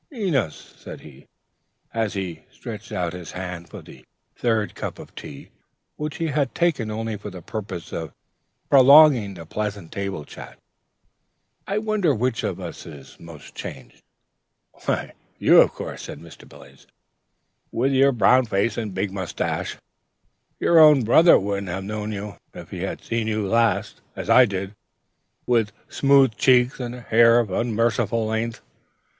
"Enos," said he, as he stretched out his hand for the third cup of tea (which he had taken only for the purpose of prolonging the pleasant table chat), "I wonder which of us is most changed." "You, of course," said Mr. Billings, "with your brown face and big moustache. Your own brother wouldn't have known you, if he had seen you last, as I did, with smooth cheeks and hair of unmerciful length.